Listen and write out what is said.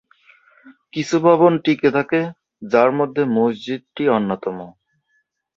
কিছু ভবন টিকে থাকে যার মধ্যে মসজিদটি অন্যতম।